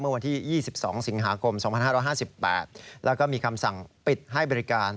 วันที่๒๒สิงหาคม๒๕๕๘แล้วก็มีคำสั่งปิดให้บริการ